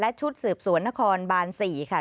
ชุดสืบสวนนครบาน๔ค่ะ